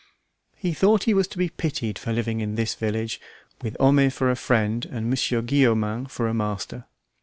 He thought he was to be pitied for living in this village, with Homais for a friend and Monsieru Guillaumin for master.